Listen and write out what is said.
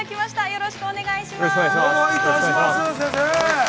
◆よろしくお願いします。